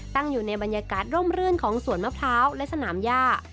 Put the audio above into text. ตั้งอยู่ในบรรยากาศร่มรื่นของสวนมะพร้าวและสนามย่า